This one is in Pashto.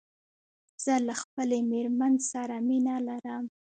زه له خپلې ميرمن سره مينه لرم